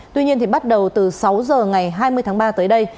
tuy nhiên thì bắt đầu từ sáu h ngày hai mươi tháng ba tới đây